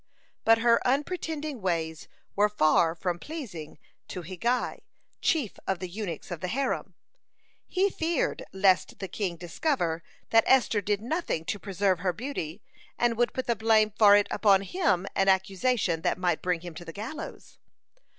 But her unpretending ways were far from pleasing to Hegai, chief of the eunuchs of the harem. He feared lest the king discover that Esther did nothing to preserve her beauty, and would put the blame for it upon him, an accusation that might bring him to the gallows.